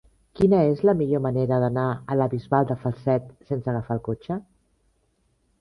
Quina és la millor manera d'anar a la Bisbal de Falset sense agafar el cotxe?